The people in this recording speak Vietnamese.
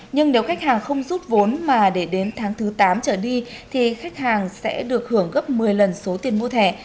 nhưng nếu khách hàng không rút vốn mà để đến tháng thứ tám trở đi thì khách hàng sẽ được hưởng gấp một mươi lần số tiền mua thẻ